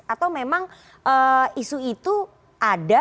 atau memang isu itu ada